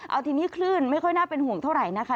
เอาทีนี้คลื่นไม่ค่อยน่าเป็นห่วงเท่าไหร่นะคะ